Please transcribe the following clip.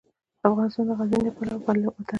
افغانستان د غزني له پلوه متنوع دی.